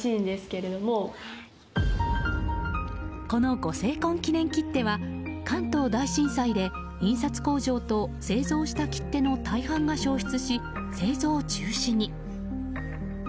この、御成婚記念切手は関東大震災で、印刷工場と製造した切手の大半が焼失し製造中止に。